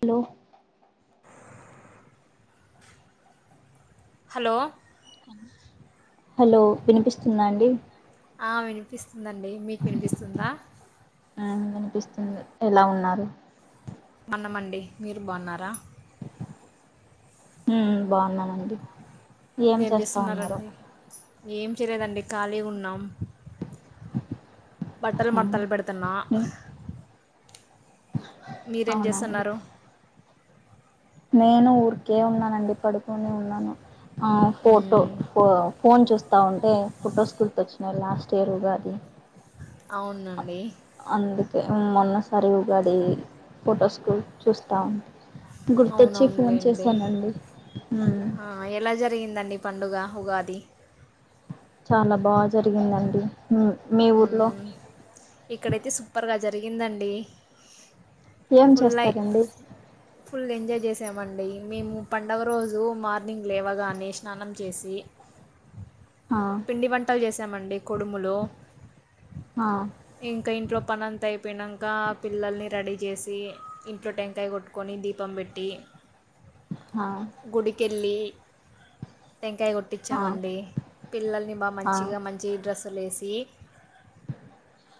Hello. Hello. Hello వినిపిస్తుందా అండి. అ వినిపిస్తుందండి, మీకు వినిపిస్తుందా. ఆ కనిపిస్తుంది, ఎలా ఉన్నారు. అన్నమండి మీరు బాన్నారా. ఉమ్ బాగునండి, ఏం చేస్తా ఉన్నారు. ఏం చేయలేదండి ఖాళీ ఉన్నం. బట్టలు ఆ మడతలు పెడుతున్నా. మీరేం అవునా అండి జెస్తున్నారు. నేను ఊరికే ఉన్నానండి, పడుకొని ఉన్నాను. ఆ ఫోటో మ్మ్ పో ఫోన్ చూస్తా ఉంటే ఫొటోస్ గుర్తొచ్చినాయి లాస్. చేరుగాది. అవునండి. ఆ మొన్నసార్ వుగాది ఫొటోస్ కూడా చూస్తా ఉ. గుర్తొచ్చి ఫోన్ అవునవునులేండి చేశానండి. ఆ ఎలా జరిగిందండి పండుగ ఉగాది. చాలా బా జరిగిందండి. ఉమ్ మీ ఊర్లో ఇక్కడైతే సూపర్గా జరిగిందండి. ఏం ఫుల్ లై చేస్తారండి ఫుల్ ఎంజాయ్ చేసాము. ఎమండి మేము పడుగ రోజు మార్నింగ్ లేవగానే స్నానం చేసి. పిండి వంటలు చేసామండి కుడుములు. ఇంకా ఇంట్లో పని అంత అయిన్నాక, పిల్లల్ని రడీ. జెసి ఇంట్లో టెంకాయ కొట్టుకొని దీపం పెట్టి. గుడికెళ్ళి. టెంకాయ కొట్టించాఅండి, పిల్లల్ని బాగా మంచిగా మంచి డ్రెస్సులు వేసీ.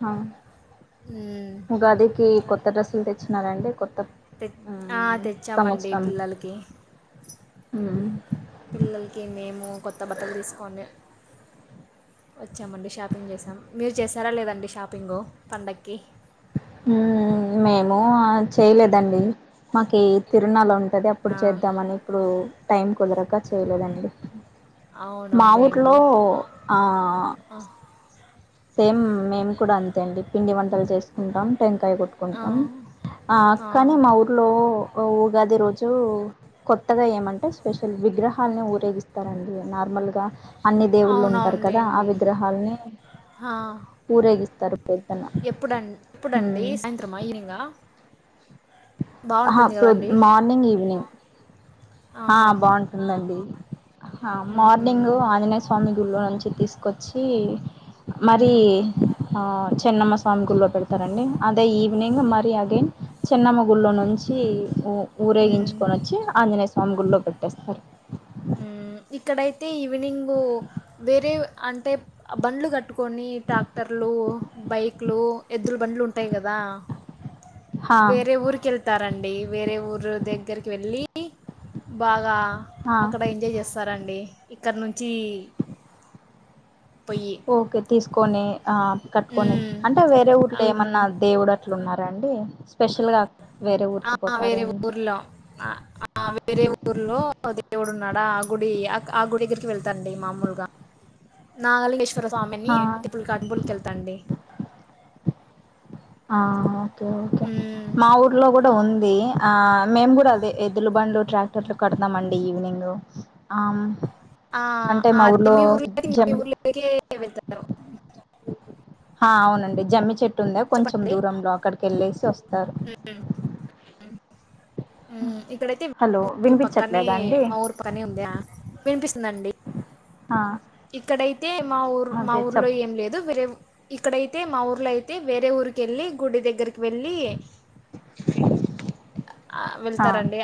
ఆ ఉగాదికి కొత్త డ్రెస్సులు తెచ్చినారండి, కొత్త. తె తెచ్చామండి పిల్లలకి. ఉమ్. పిల్లలకి మేము కొత్త బట్టలు తీసుకొని. [inaudible] వచ్చామండి షాపింగ్ చేసాం మీరు చేసారా లేదండి షాపింగు పండగకి మేము చేయలేదండి మాకి తిరునలు ఉంటాయి అది అప్పుడు చేద్దాంమని ఇప్పుడు టైం కుదరక చేయలేదండి మా అవునవునులేండి ఊర్లో ఆ సేమ్ మేము కూడా అంతే అండి పిండి వంటలు చేసుకుంటాం టెంకాయ కొట్టుకుంటాం ఆ కానీ మా ఊర్లో ఉగాది రోజు కొత్తగా ఏమంటే స్పెషల్ విగ్రహం అని ఊరేగి తారండి నార్మల్గా అన్ని దేవుళ్ళు ఉంటారు కదా ఆ అవునవునులేండి విగ్రహాలని ఆ ఊరేగిస్తస్తారు పోతున్న ఎప్పుడం ఎప్పుడండి హ్మ్ సాయంత్రమా ఈవినింగా హా బాగుంటుంది కదండి మార్నింగ్ ఈవినింగ్ హా ఆహా బాగుంటుందండి ఆ మార్నింగ్ ఆంజనేయ స్వామి గుళ్ళో నుంచి తీసుకొచ్చి మరి మ్మ్ ఆ చెన్నమ్మ స్వామి గుళ్లో పెడతారండి అదే అదే ఈవినింగ్ మరి అగైన్ చెన్నమ్మ గుళ్ళో నుంచి మ్మ్ ఊరేగించుకొని వచ్చి ఆంజనేయ స్వామి గుళ్లో పెట్టేస్తారు అయితే ఈవినింగు వేరే అంటే బండ్లు కట్టుకొని ట్రాక్టర్లు బైక్లు ఎద్దుల బండ్లు ఉంటాయి కదా హా వేరే ఊరికి వెళ్తారండి అండి వేరే ఊర్లు దగ్గరికి వెళ్ళి బాగా హా అక్కడ ఎంజాయ్ చేస్తారండి ఇక్కడ నుంచి జీ పోయి కట్టుకొని ఆ కట్టుకొని అంటే వేరే ఊర్లో ఏమన్నా దేవుడు అట్ల ఉన్నారాండి స్పెషల్గా ఆ వేరే ఊర్లో ఆ వేరే ఊర్లో దేవుడు ఉన్నాడా ఆ గుడి ఆ గుడికి వెళ్తాండి మామూలుగా నాగలింగేశ్వర స్వామిని ఆ ఇప్పుడు కడుపులకి వెళ్తాండి ఆ ఓకే ఓకే మ్మ్. మా ఊర్లో కూడా ఉంది ఆ మేము కూడా అదే ఎదులు బండ్లు ట్రాక్టర్లు కడతాంమండి ఈవినింగ్లో అమ్ ఆ అదే మీ ఊర్ మీ జమ్మి ఊర్ ఆ అవునండి జమ్మి చెట్టు ఉందే కొంచెం చెప్పండి దూరంలో అక్కడికి వెళ్ళేసి వస్తారు ఇక్కడైతే హలో ఊరికి పక్కనే వినిపించట్లేదా అండి మా ఊరి పక్కనే ఉందా వినిపిస్తుందండి [inaudible] ఇక్కడైతే మా ఊరు మా అదే ఊర్లో చెప్ ఏం లేదు వేరే ఊరి ఇక్కడైతే మా ఊర్లో అయితే వేరే ఊరిక వెళ్ళి గుడి దగ్గరికి వెళ్ళి [inaudible] ఆ వెళ్తారండి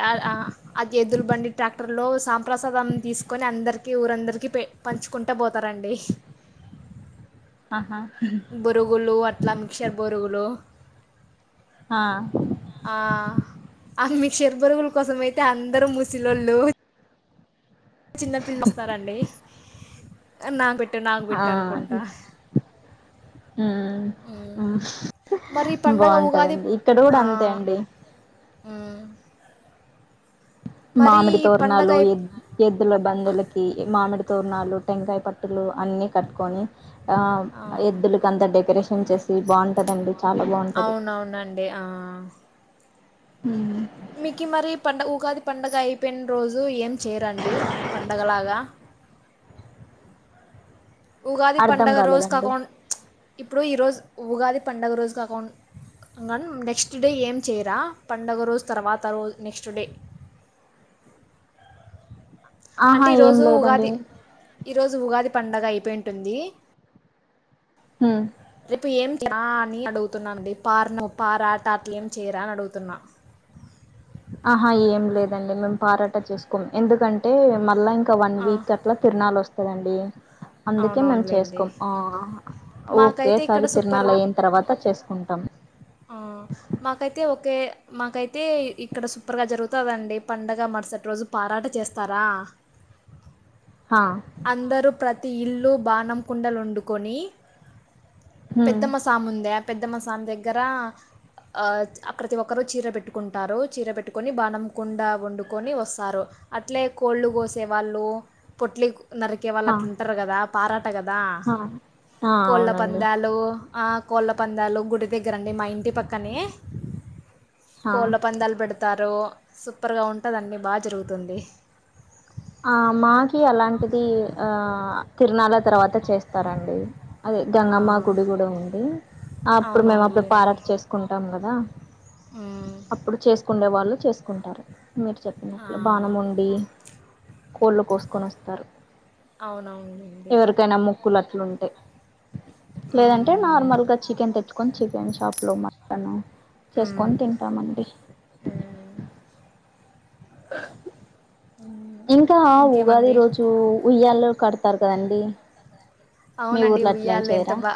అది ఎద్దుల బండి ట్రాక్టర్లో సాంప్రసాదం తీసుకొని అందరికీ ఊరందరికీ పె పంచుకుంటా పోతారండి ఆహా బురుగులు అట్లా మిక్చర్ బురుగులు ఆ ఆ ఆ మీక్షర్ బరుగుల కోసం అయితే అందరు ముసిలోళ్ళు చిన్న పిల్లలు వస్తారు అండి నా పెట్టి పెట్టే నాకు బట్ట అనుకుంటా మ్మ్ మరి ఈ ఆ పండగ బాగుంటదండి ఇక్కడ కూడా అంతే అండి మ్మ్ మామిడి ఈ పండగ తోరణాలు అయి ఎద్ ఎద్దుల బంధులకి మామిడి తోరణాలు టెంకాయ పట్ట లు అన్ని కట్టుకొని ఆ ఎద్దులక అంత డెకరేషన్ చేసి బాగుంటదండి చాలా బాగుంటది అవునవునండి ఆ ఉమ్ మీకి మరీ పండుగ ఉగాది పండుగ అయిపోయిన రోజు ఎ చేయరా అండి పండగలాగా ఉగాది అర్ధం పండుగ రోజు కాలేదండి కాకుండా ఇప్పుడు ఈరోజు ఉగాది పండగ రోజు కాకుం గన్ నెక్స్ట్ డే ఏం చేయరా పండుగ రోజు తర్వాత రోజ నెక్స్ట్ డే [inaudible] అంటే ఆహా ఏం ఈరోజు ఉగాది లేదండి ఈ రోజు ఉగాది పండగ అయిపోయి ఉంటుంది ఉమ్ రేపు ఏం అని అడుగుతున్నాండి పార్ను పారాటా అట్ల ఏం చేరా అని అడుగుతున్నా ఆహా ఏం లేదండి మేము పారాట చేసుకోం ఎందుకంటే మళ్ళా ఇంకా ఇంక వన్ ఆ, వీక్ అట్లా తిరునాల వస్తదండి అందుకే మేము అవునవునులేండి చేసుకోం మాకైతే ఇక్కడ ఓకేసారి తిరనాల సూపర్గా అయిం తర్వాత చేసుకుంటాం ఆ మాకై తే ఓకే మాకైతే ఇక్కడ సూపర్ గా జరుగుతదండి పండగ మరుసటి రోజు పారాట చేస్తారా ఆ [inaudible] అందరూ ప్రతి ఇల్లు బాణం కుండలు వండుకొని హ్మ్ పెద్దమ్మ సామి ఉందా ఆ పెద్దమ్మసామి దగ్గర ఆ అక్కడతి ఒక్కరు చీర పెట్టుకుంటారు చీర పెట్టుకొని బాణం కుండ వండుకొని వస్తారు అట్లే కోళ్ళు కోసేవాళ్ళు పొట్లి నరికే వాళ్ళు హా అట్ల ఉంటారు కదా పారాట కదా హా ఆ కోళ్ళ అవునండి పందాలు కోళ్ళ పందాలు గుడి దగ్గరండి మా ఇంటి పక్కనే హా కోళ్ళ పందాలు పెడతారు సూపర్ గా ఉంట దండి బాగా జరుగుతుంది ఆ మాకీ అలాంటిది ఆ తిరునాల తర్వాత చేస్తారండి అదే ఆ, గంగమ్మ గుడి గూడా ఉంది అప్పుడు మేము అప్పుడు అవునవునులేండి పారాట చేసుకుంటాం కదా ఉమ్, అప్పుడు చేసుకుండే వాళ్ళు చేసుకుంటారు మీరు చెప్పినట్లు బాణం ఆ. వండి కోళ్ళు కోసుకొని వస్తారు అవునవునులేండి. ఎవరికైనా మొక్కులు అట్లుంటే లేదంటే హ్మ్. నార్మల్ గా చికెన్ తెచ్చుకొని చికెన్ షాప్ లో మటను హ్మ్. చేసుకొని తింటామండి హ్మ్. [inaudible] హ్మ్. ఇంకా ఊగాది ఇంకేమండి? ఈ రోజు ఉయ్యాల కడతారు కదండి మీ అవునండి ఊర్లో అట్లేం ఉయ్యాల ఎంత చేయరా బా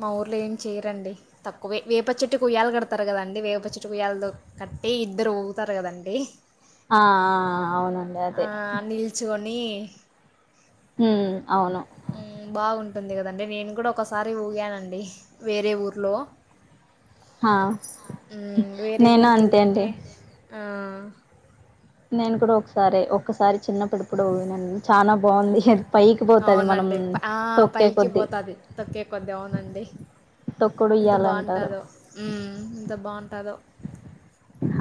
మా ఊర్లో ఏం చేయరండి తక్కువే వేపచెట్టుకు ఉయ్యాల కడతారు కదండి వేపచెట్టుకు ఉయ్యాలతో కట్టి ఇద్దరు ఊగుతారు కదండి ఆ అవునండి అదే ఆ నిల్చొని ఉమ్ అవును ఉంటుంది గదండి నేను గూడా ఒకసారి ఊగానండి వేరే ఊరిలో హ వేరే నేను అంతే అండి ఊరికెళ్ళింటే ఆ నేను కూడా ఒకసారి ఒక్కసారి చిన్నప్పుడెప్పుడు పోయినాను చాలా బాగుంది పైకి పోతది మనం అవునండి ఆ తొక్కే పైకి కొద్దీ పోతాది తొక్కే కొద్దీ అవునండి తొక్కుడు ఎంత ఉయ్యాల అంటారు బాగుంటాదో ఎంత బాగుంటాదో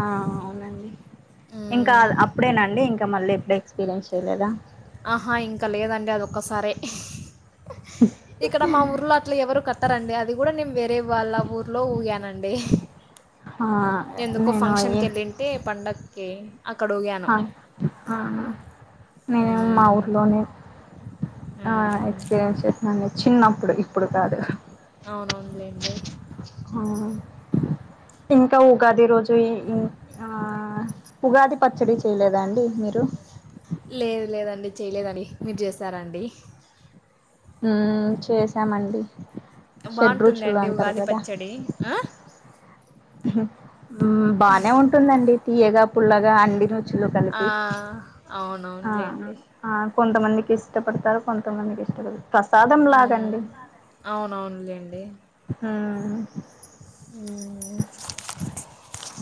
ఆ అవునండి ఇంకా మ్మ్. అప్పుడేనండి ఇంకా మళ్ళీ ఎప్పుడు ఎక్స్పీరియన్స్ చేయలేదా ఆహా ఇంకా లేదండి అదొక్కసారే హు [inaudible] ఇక్కడ మా ఊర్లో అట్లా ఎవరు కట్టారండి అది కూడా నేను వేరే వాళ్ళ ఊర్లో ఊగానండి అ [inaudible] ఎందుకో ఫంక్షన్కి యెళ్ళింటే పండక్కి అక్కడ ఊగాను ఆ నేను మా మ్మ్. ఊర్లోనే ఆ మ్మ్. ఎక్స్పీరియన్స్ చేసిన నే చిన్నప్పుడు ఇప్పుడు కాదు అవుననులేండి అవును ఇంకా ఉగాది రోజు ఇ ఆ ఉగాది పచ్చడి చేయలేదా అండి మీరు లేదు లేదండి చేయలేదండి మీరు చేస్తారాండి. ఉ చేసామండి షెడ బాగుంటుంది రుచులు అండి అంటారు ఉగాది కదా పచ్చడి ఆ? బానే ఉంటుందండి తీయగా, పుల్లగా అం ఆ ఆ అవునవునులేండి ఆ కొంతమందికి ఇష్టపడతారు కొంతమందికి ఇష్టంఉండదు ఉ అవునవునులేండి ఆ [unintelligible]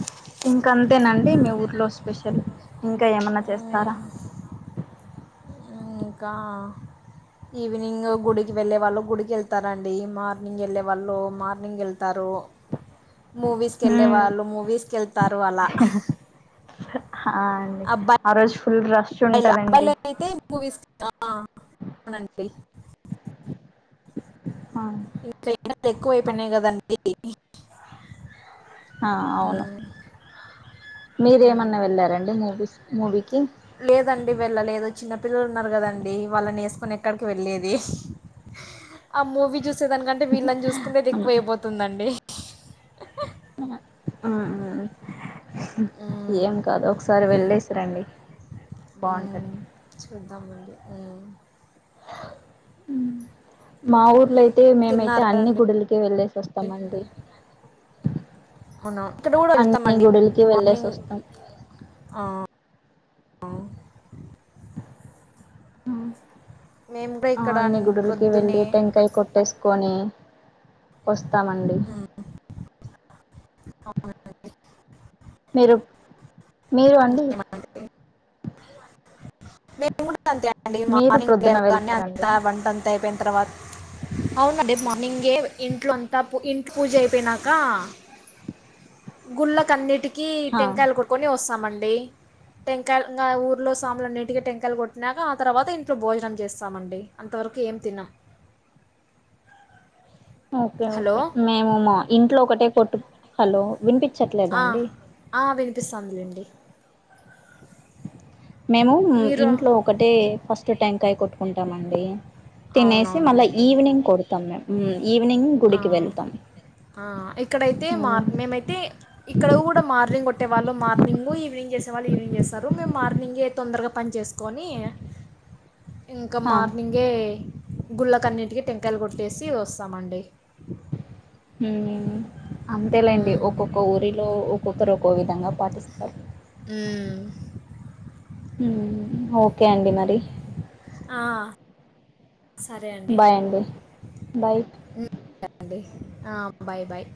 ఇంక అంతేనండి మీ ఊరిలో స్పెషల్ ఇంకా ఏమన్నా చేస్తారా, ఇంకా ఈవినింగ్ గుడికి వెళ్లే వాళ్ళు గుడికి వెళ్తారండి, మార్నింగ్ వెళ్ళే వాళ్ళు మార్నింగ్ వెళ్త తారు మూవీస్కి వెళ్ళే హ్మ్ వాళ్ళు మూవీస్కి వెళ్తారు అలా ఆ అండి ఆ అబ్బాయిలు రోజు ఫుల్ రష్ ఉంటదండి అబ్బాయిలు అయితే మూవీస్కి వెళ్తారండీ ఆ ఇకైనాది అవ్ ఎక్కువైపోయినాయి కదండి ఆ అవును మ్మ్. మీరేమన్నా వెళ్ళారండి మూవీస్ మూవీకి లేదండి వెళ్ళలేదు చిన్న పిల్లలు ఉన్నారు కదండి వాళ్ళని వే కొ ఎక్కడికి వెళ్ళలేది ఆ మూవీ చూ వే దానికంటే వీళ్ళని చూసుకుంటే అది హ్మ్ ఎక్కువ అయిపోతుందండి ఆ ఆ మ్మ్. ఏం కాదు ఒకసారి వెళ్ళేసిరండి. ఉ చూద్దాం ఉ మా ఊర్లో అయితే మేమైతే తిన్నారా అన్ని అండి గుడులకి వెళ్ళేసి వస్తామండి. అవునా ఇక్కడ కూడా వెళతామ అన్ని అండి గుడులకి వెళ్ళేసి మార్నింగ్ వస్తాం ఆ మేము కూడా ఆ ఇక్కడ అన్ని గుడులకి ప్రొద్దునే వెళ్లిి టెంకాయ కొట్టేసుకొని వస్తామండి ఆహా మంచిది మీరు మీరు అండి ఇంకేమంటే అంతేడి మీరు మార్నింగ్ ప్రొద్దున లేవగానే కాన్ని వెళ్తారండి అంతా వంట అంత అయిపోయిన తర్వాత అవునా రేపు మార్నింగే ఇంట్లో అంతా ఇంటి పూజ అయిపోయినాక గుళ్ల కానీటికి కి హా టెంకాయలు కొటుకొని వస్తామండి టెం కాయలు ఊర్లో సాముల న అన్ని టెంకాయలు కొట్టినాక ఆ తర్వాత ఇంట్లో భోజనం చేస్తామండి, అంతవరకు ఏం తిన్నాం [unintelligible] ఓకే హలో ఓకే మేము మా ఇంట్లో ఒకటే కొట్టు హలో వినిప ఆ ఆ వినిపిస్తుందిలేండి మేము మీరు ఇంట్లో ఒకటే ఫస్ట్ టెంకాయ కొట్టుకుంటామ అండి, తినేసి మళ్ళా అవునవునులేండి. ఈవ్నింగ్ కొడతామ్ ఆ! గుడికి వెళ్తాం ఆ ఇక్కడైతే మార్ మేమైతే ఇక్కడ కూడా మార్నింగ్ కొట్టే వాళ్ళు మార్నింగ్ ఈవినింగ్ చేస్తే వచ్చే వాళ్ళు ఈవినింగ్ చేస్తారు మేము మార్నింగే తొందరగా పని చేసుకొని ఇంకా హా మార్నింగే గుళ్ళకన్నిటికీ టెంకాయలు కొట్టేసి వస్తామండి. అంతేలేండి హ్మ్. ఒక్కొక్క ఊరిలో ఒక్కొక్కరు ఒక్కొ విధంగా పాటిస్తారు ఉమ్ ఉమ్ ఓకే అండి మరి ఆ! బాయ్ అండి బాయ్ అండి. ఆ బాయ్ బాయ్